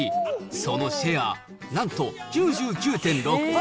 そのシェア、なんと９９．６％。